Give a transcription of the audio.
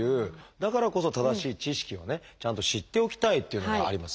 だからこそ正しい知識をねちゃんと知っておきたいっていうのがありますね。